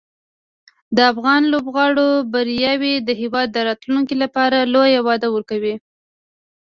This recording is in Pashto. د افغان لوبغاړو بریاوې د هېواد د راتلونکي لپاره لویه وده ورکوي.